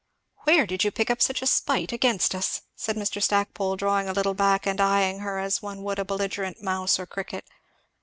"Where did you pick up such a spite against us?" said Mr. Stackpole, drawing a little back and eying her as one would a belligerent mouse or cricket.